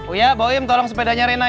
uyak bawa yuk tolong sepedanya rena ya